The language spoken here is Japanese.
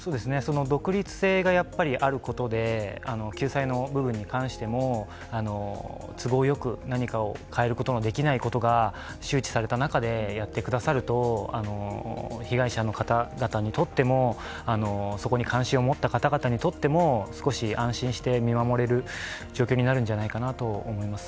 独立性があることで、救済の部分に関しても都合良く何かを変えることができないことが周知された中で、やってくださると被害者の方々にとってもそこに関心を持った方々にとっても、少し安心して見守れる状況になるんじゃないかなと思います